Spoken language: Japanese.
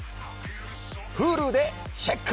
Ｈｕｌｕでチェック！